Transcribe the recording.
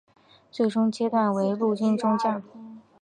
最终阶级为陆军中将。